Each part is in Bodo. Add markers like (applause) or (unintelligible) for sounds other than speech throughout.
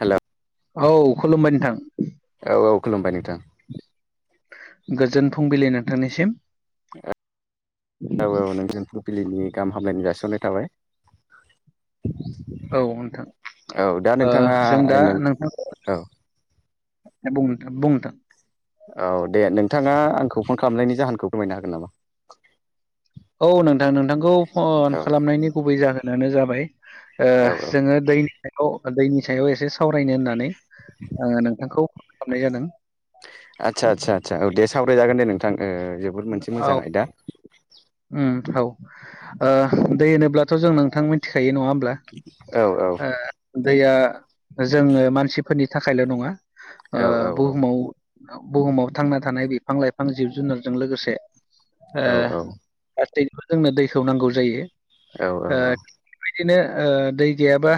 हेलौ औ खुलुमबाय नोंथां औ औ खुलुमबाय नोंथां। गोजोन फुंबिलि नोंथांनिसिम औ औ नोंजों फुंबिलिनि गाहाम हामलायनो जाायसननाय थाबाय। औ नोंथां औ दा नोंथाङा जों दा नों नोंथां औ बुंथ बुंुमथ औ दे नोंथाङा आंखौ फन खालामनायनि जाहोनखौ फोरमायनो हागोन नामा औ नोंथां नोंथांखौ फन औ खालामनायनि गुबै जाहोनानो जाबाय ओ औ औ जोङो दैनि सायाव दैनि सायाव एसे सावरायनो होननानै आङो नोंथांखौ खामनाय जादों आदसा आदसा आदसा औ दे सावरायजागोन दे नोंथां जोबोद मोनसे मोजां आयदा ओम औ दै होनोब्लाथ' जों नोंथां मिथिखायो नङा होमब्ला औ औ दैया जोङो मानसिफोरनि थाखायल' नङा ओ औ बुहुमाव बुहुमाव थांना थानाय बिफां लाइफां जिब जुनारजों लोगोसे ओ औ गासैबो जोंनो दैखौ नांगौ जायो औ औ बेबायदिनो दै गैयाबा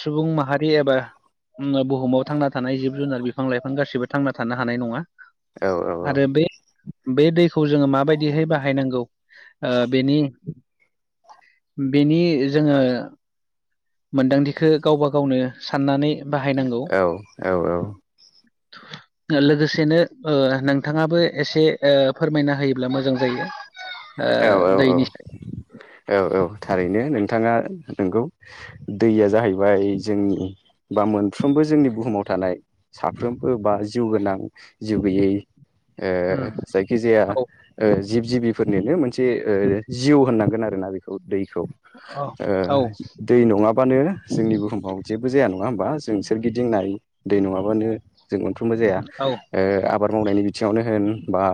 सुबुं माहारि एबा बुहुमाव थांना थानाय जिब जुनार बिफां लाइफां गासिबो थांना थानो हानाय नङा औ-औ आरो बे दैखौ जोङो माबायदिहाय बाहाय बाहायनांगौ ओ बेनि बेनि जोङो मोनदांथिखौ गावबा गावनो साननानै बाहायनांगौ (inaudible) लोगोसेनो नोंथाङाबो एसे फोरमायना होयोब्ला मोजां जायो ओ औ-औ-औ दैनि औ-औ थारैनो नोंथाङा नंगौ दैया जाहैबाय जोंनि बा मोनफ्रोमबो जोंनि बुहुमाव थानाय साफ्रोमबो बा जिउ गोनां जिउ गैयै ओ उम जायखिजाया औ जिब जिबि फोरनिनो मोनसे जिउ होननांगोन आरोना बेखौ दै औ औ दै नङाबानो जोंनि बुहुमाव जेबो जाया नङा होम बा जोंसोरगिदिं नाय दै नङाबानो जों मोनफ्रोमबो जाया औ आबाद मावनायनि बिथिङावनो होन बा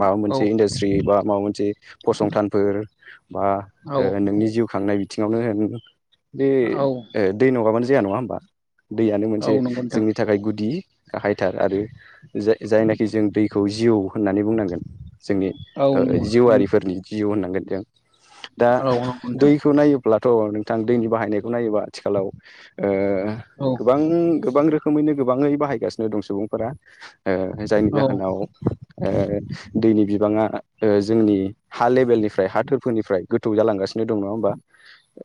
माबा औ मोनसे इनदा सट्रि बा माबा मोनसे फसंथान बा औ नोंनि जिउ खांनाय बिथिङावनो बे औ दै नङाबानो जाया नङा होमबा दैआनो औ मोनसे नंगौ नोंथां जोंनि थाखाय गुदि गाहायथार आरो जायनाखि जों दै खौ जिउ होननानै बुंनांगोन जोंनि औ नंगौ उम, जिउआरिफोरनि जिउ होननांगोन जों दा औ नंगौ नोंथां दैखौ नायोब योब्लाथ' नोंथां दैनि बाहायनायखौ नायोबा आथिखालाव औ गोबां गोबां रोखोम रोखोमैनो गोबाङै बाहायगासिनो दं सुबुंफोरा जायनि औ जाहोनाव दैनि बिबाङा जोंनि हा लेबेलनिफ्राय हा थोरफोरनिफ्राय गोथौ जालांगसिनो दं नङा होमबा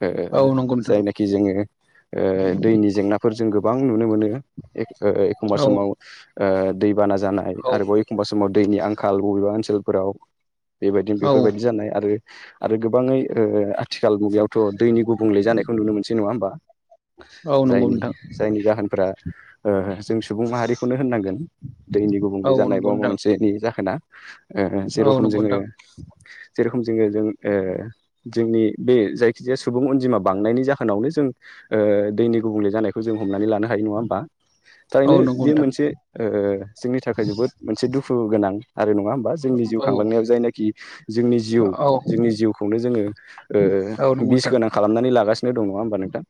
ओ औ नंगौ नोंथां जायनाखि जोङो ओ दैनि जेंना फोर जों गोबां नुनो मोनो एखमबा औ समाव दैबाना जानाय औ आरो बय एखमबा समाव दैनि आंखाल बबेबा ओनसोलफोराव बेबायदिनो औ बेफोरबायदि जानाय आरो आरो गोबाङै ओ आथिखाल मुगायाव थ' दैनि गुबुंले जानायखौ नुनो मोनसै नङा होमबा? औ नंगौ जायनि नोंथां जायनि जाहोनफ्रा ओ जों सुबुं माहारिखौनो होननांगोन। दैनि औ गुबुंले जानाय बा नंगौ माबा नोंथां मोनसेनि जाहोना। ओ औ जेराव नंगौ नोंथां जेरखम जोङो जों ओ जोंनि बे जायखिजाया सुबुं अनजिमा बांनायनि जाहोनावनो जों ओ दैनि गुबुंले जानायखौ जों हमनानै लानो हायो नङा होमबा औ थारैनो नंगौ बे नोंथां मोनसे जोंनि थाखाय जोबोद मोनसे दुखु गोनां आरो नङा होमबा जोंनि जिउ औ खांलांनायाव जायनाखि जोंनि जिउ औ जोंनि जिउखौनो जोङो औ नंगौ बिस नोंथां गोनां खालामनानै लागासिनो दं नङा होमबा नोंथां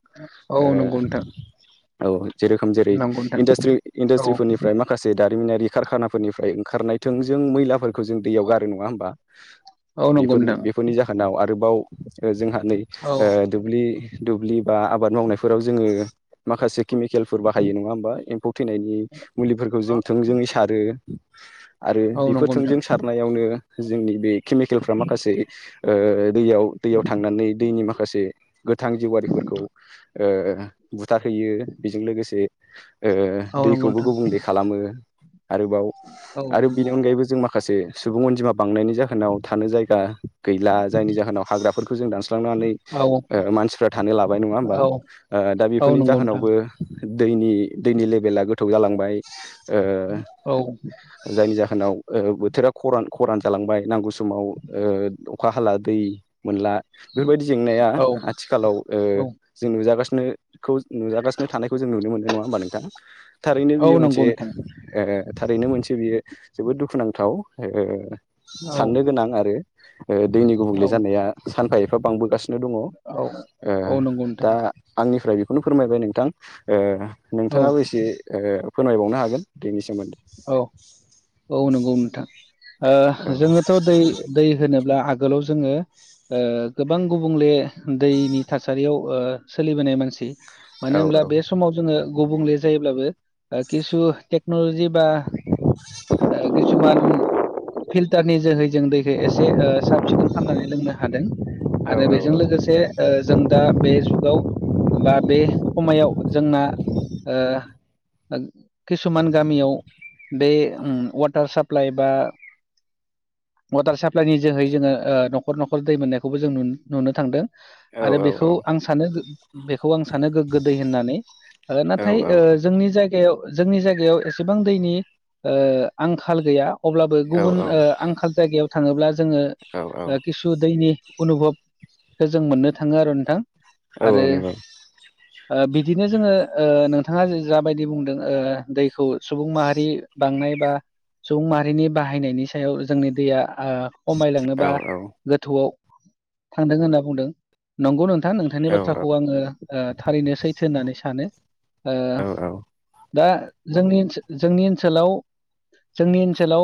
औ ओ नंगौ नोंथां औ जेरोखोम जेरै नंगौ नोंथां औ इन्डासट्रिफोरनिफ्राय मा माखासे दारिमिनारि कारखानाफोरनिफ्राय ओंखारनाय थोंजों मैलाफोरखौ जों दैयाव गारो नङा होमबा? औ नंगौ बेफोरनि नोंथां बेफोरनि जाहोनाव आरोबाव ओ जोंहा नै औ दुब्लि दुब्लि बा आबाद मावनायफोराव जोङो माखासे केमिकेलफोर बाहायो नङा होमबा एम्फौ थैनायनि मुलिफोरखौ जों थोंजोङै सारो आरो औ बेफोर नंगौ नोंथां थोंजों सारनायावनो जोंनि बे केमिकेलफ्रा माखासे ओ दैयाव दैयाव थांनानै दैनि माखासे गोथां जिउवारिफोरखौ ओ बुथारहैयो बेजों लोगोसे ओ औ नंगौ दैखौबो नोंथां गुबुंले खालामो। आरोबाव औ आरो बिनि नंगौ अनगायैबो जों माखासे सुबुं अनजिमा बांनायनि जाहोनाव थानो जायगा गैला जायनि जाहोनाव हाग्राफोरखौ जों दानस्लांनानै औ ओ मानसिफ्रा थानो लाबाय नङा होमबा औ दा औ बेफोरनि नंगौ नोंथां जाहोनावबो दैनि दैनि लेभेला गोथौ जालांबाय। ओ औ जायनि जाहोनाव ओ बोथोरा खरान खरान जालांबाय नांगौ समाव ओ अखा हाला दै मोनला। बेफोरबायदि जेंनाया औ आथिखालाव ओ औ जों नुजागासिनोखौ नुजागासिनो थानायखौ जों नुनो मोननाय नङा होमबा नोंथां? थारैनो औ बियो मोनसे नंगौ नोंथां ओ थारैनो मोनसे बियो जोबोद दुखुनांथाव ओ औ साननो गोनां आरो ओ दैनि गुबुंले औ जानाया सानफा एफा बांबोगासि दङ ओ औ औ नंगौ नोंथां दा आंनिफ्राय बेखौनो फोरमायबाय नोंथां। ओ औ नोंथाङाबो एसे ओ फोरमायबावनो हागोन बेनि सोमोन्दै। औ, औ नंगौ नोंथां ओ औ जोङोथ' दै दै होनोब्ला आगोलाव जोङो ओ गोबां गुबुंले दैनि थासारियाव ओ सोलिबोनाय मानसि मानो औ होनब्ला बे समाव जोङो गुबुंले जायोब्लाबो किसु टेक्न'लजि बा, ओ किसुमान फिल्टारनि जोहै जों दैखौ एसे साब सिखोन खालामनानै लोंनो हादों। औ आरो बेजों लोगोसे ओ जों दा बे जुगाव बा बे खमायाव जोंना ओ किसुमान गामियाव बे ओम वाटार साप्लाइ बा वाटार साप्लाइनि जोहै जोङो ओ न'खर न'खर दै मोननायखौबो जों नुनो नुनो थांदों। औ आरो औ बेखौ आं सानो बेखौ आं सानो गोग्गो दै होननानै। नाथाय ओ जोंनि जायगायाव जोंनि जायगायाव एसेबां दै ओ आंखाल गैया अब्लाबो गुबुन ओ आंखाल जायगायाव थाङोब्ला जोङो औ औ ओ खिसु दैनि अनुभबखौ जों मोननो थाङो आरो नोंथां। औ आरो नंगौ ओ बिदिनो जोङो ओ नोंथाङा जाबायदि बुंदों ओ दैखौ सुबुं माहारि बांनाय बा सुबुं माहारिनि बाहायनायनि सायाव जोंनि दैया ओ औ खमायलांनोबा औ गोथौआव थांदों होनना बुंदों। नंगौ नोंथां नोंथांनि औ बाथ्राखौ आङो ओ थारैनो सैथो होननानै सानो। औ दा जोंनि जोंनि ओनसोलाव जोंनि ओनसोलाव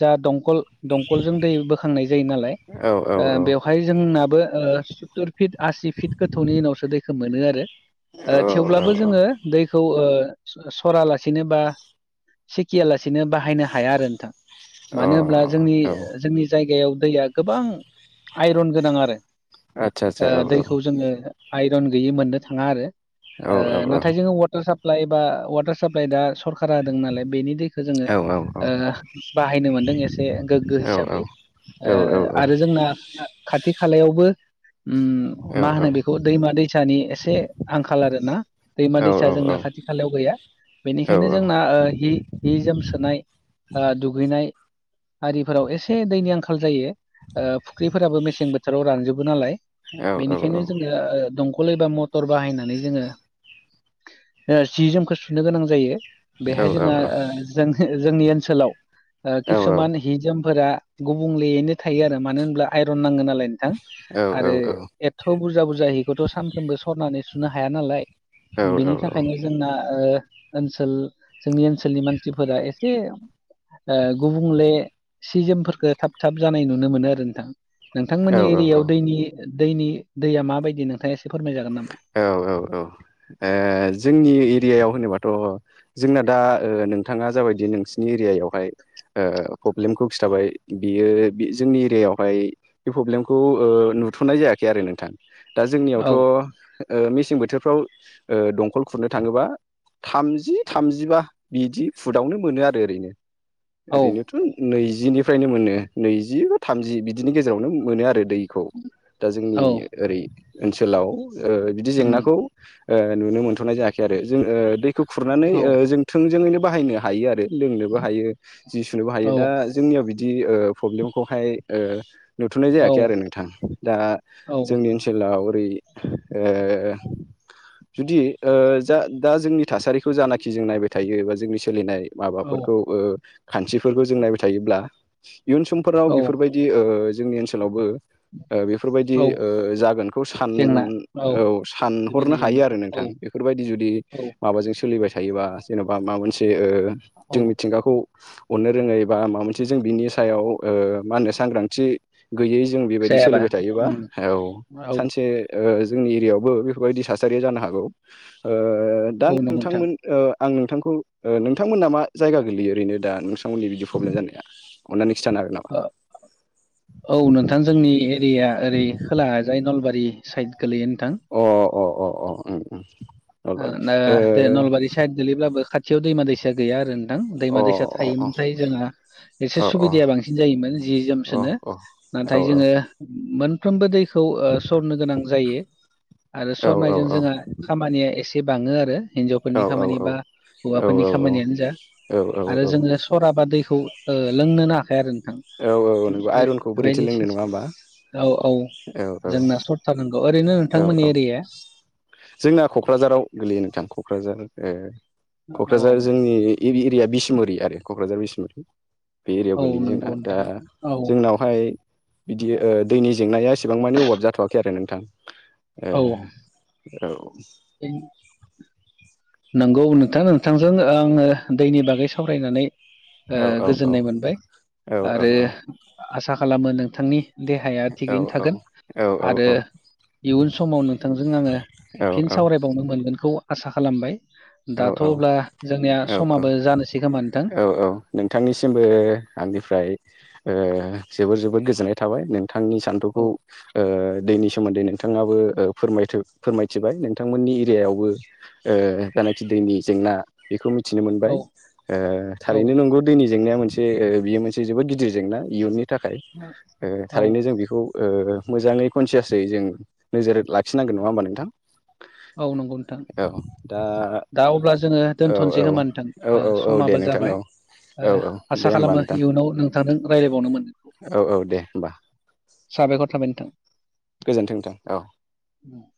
जा दंखल दंखलजों दै बोखांनाय जायो सत्तुर फिट आसि फिट गोथौनि उनावसो दैखौ मोनो आरो औ थेवब्लाबो जोङो दैखौ सरालासिनोबा सिखियालासेनो बाहायनो हाया आरो नोंथां। मानो होनब्ला जोंनि अ औ ओ जोंनि जायगायाव दैया गोबां आइरन गोनां आरो। आदसा आदसा ओ औ दैखौ जोङो आइरन गैयै मोननो थाङा आरो औ औ ओ नाथाय जोङो वाटार साप साप्लाइ बा वाटार साप्लाइ दा सरकार सरकारा होदों नालाय बेनि दैखौ जोङो औ औ बाहायनो मोनदों एसे गोग्गो औ हिसाबै। आरो जोंना खाथि खालायावबो मा होनो औ बेखौ दैमा दैसानि एसे आंखाल आरो ना दैमा औ दैसा औ जोंना औ खाथि खालायाव गैया औ बेनिखायनो जोंना हि जि जोम सोनाय दुगैनाय आरिफोराव एसे दैनि आंखाल जायो फुख्रिफोराबो मेसें बोथोराव रानजोबो नालाय बेनिखायनो जोङो दंखल एबा मटर टर बाहायनानै जोङो सि जोमखौ सुनो गोनां जायो बेहाय जोंहा जों जोंनि ओनसोलाव किसुमान हिजोमफोरा गुबुंलेयैनो थायो आरो मानो होनब्ला आइरन नाङो नालाय नोंथां आरो थ' बुरजा बुरजाहिखौथ' सानफ्रोमबो सरनानै सुनो हाया नालाय बिनि थाखायनो जोंना ओनसोल जोंनि ओनसोलनि मानसिफोरा एसे गुबुंले सिजोमफोरखौ थाब थाब जानाय नुनो मोनो आरो नोंथां नोंथांमोननि एरियायाव दैनि दैनि दैया माबायदि नोंथाङा एसे फोरमाय जागोन नामा औ औ औ जोंनि एरियायाव होनोबाथ' जोंना दा नोंथाङा जाबायदि नोंसिनि एरियायावहाय प्रब्लेमखौ खिथाबाय बियो जोंनि एरियायावहाय बे प्रब्लेमखौ नुथ'नाय जायाखै आरो नोंथां दा औ जोंनियावथ' मेसें बोथोरफ्राव दंखल खुरनो थाङोबा थामजि थामजिबा बिदि फुदावनो मोनो आरो ओरैनो औ ओरैनोथ' नैजिनिफ्रायनो मोनो नैजि बा थामजि बिदिनि गेजेरावनो मोनो आरो दै खौ दा जोंनि औ ओरै ओनसोलाव बिदि उम, जेंनाखौ नुनो मोनथ'नाय जायाखै आरो जों दैखौ खुरनानै औ जों थोंजोङैनो बाहायनो हायो आरो लोंनोबो हायो जि सुनोबो हायो औ दा जोंनियाव बिदि प्रब्लेमखौहाय नुथ'नाय औ जायाखै आरो नोंथां दा औ जोंनि ओनसोलाव ओरै ओ जुदि जा दा जोंनि थासारिखौ जानाखि जों नायबाय थायो बा जोंनि सोलिनाय औ माबाफोरखौ खान्सिफोरखौ जों नायबाय थायोब्ला इयुन समफोराव औ बेफोरबायदि जोंनि ओनसोलावबो बेफोरबायदि औ जागोनखौ सान औ बेबायदि सानहरनो हायो आरो जेंनाखौ औ नोंथां बेफोरबायदि जुदि औ माबाजों सोलिबाय थायोबा जेन'बा माबा मोनसे औ जों मिथिंगाखौ अननो रोङै बा माबा मोनसे जों बिनि सायाव मा होनो सांग्रांथि गैयै जों बेबायदि जायाबा सोलिबाय थायोबा उम, औ सानसे जोंनि एरियायावबो बेफोरबायदि थासारिया जानो हागौ दा औ नंगौ नोंथां नोंथांमोन आं नोंथांखौ नोंथांमोना मा जायगा गोलैयो ओरैनो दा नोंथांमोननि बिदि प्रब्लेम जानाया अननानै खिथानो हागोन नामा औ नोंथां जोंनि एरिया ओरै खोला जाय नलबारि साइद गोलैयो नोंथां अ अ अ अ अ अ ओ दे नलबारि साइद गोलैब्लाबो खाथियाव दैमा दैसा दा गैया आरो नोंथां दैमा ओ दैसा अ अ थायोमोनथाय जोंहा एसे अ सुबिदाया बांसिन जायोमोन जि अ जोमसोनो औ नाथाय जोङो मोनफ्रोमबो दैखौ सरनो गोनां जायो आरो सरनायजों औ औ जोंहा खामानिया एसे बाङो आरो हिनजावफोरनि औ खामानि बा हौवाफोरनि खामानियानो जा आरो जोङो औ सराबा दैखौ लोंनो नो हाखाया आरो औ औ औ नंगौ आइरनखौ बोरैथो लोंनो नङा होमबा (unintelligible) औ औ औ जोंना सर (unintelligible) ओरैनो नोंथांमोननि औ एरिया औ क'क्राझार जोंनि एरिया बिसमुरि आरो क'क्राझार बिसमुरि बे एरियायाव औ गोलैयो जोंना नंगौ दा नोंथां औ जोंनाव ओमफ्राय बिदि ओ दैनि जेंनाया एसेबां मानि अभाब जाथ'वाखै आरो नोंथां ए औ औ नंगौ नोंथां नोंथांजों आङो दैनि बागै सावरायनानै ओ औ औ गोजोननाय मोनबाय औ आरो औ आसा खालामो नोंथांनि देहाया औ थिगैनो थागोन औ औ आरो इयुन समाव नोंथांजों आङो औ फिन औ सावराय बावनो मोनगोनखौ आसा खालामबाय दाथ' अब्ला जोंनिया औ औ समाबो जानोसै खोमा नोंथां औ औ नोंथांनिसिमबो आंनिफ्राय ओ जोबोर जोबोर गोजोननाय थाबाय नों बिथांनि औ सान्थौखौ ओ दैनि सोमोन्दै नोंथाङाबो फोरम फोरमायथिबाय नोंथांमोननि एरियायावबो ओ जानखि दैनि जेंना बेखौ मिथिनो मोनबाय औ ओ औ थारैनो नंगौ दैनि जेंनाया मोनसे बियो मोनसे जोबोद गिदिर जेंना इयुननि थाखाय औ थारैनो जों बेखौ मोजाङै कनसियासै जों नोजोर लाखिनांगोन नङा होमबा नोंथां औ नंगौ नोंथां औ दा दा अब्ला जोङो औ दोनथ'नोसै औ औ खोमानोथों औ औ दे समाबो नोंथां औ जाबाय औ औ दे आसा होमबा खालामो नोंथां इयुनाव नोंथांजों राय्लायबावनो मोन औ औ दे होमबा साबायखर थाबाय नोंथां गोजोन्थोंदों (unintelligible) औ (unintelligible)